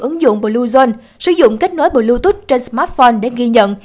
ứng dụng blue sử dụng kết nối bluetooth trên smartphone để ghi nhận